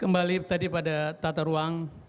kembali tadi pada tata ruang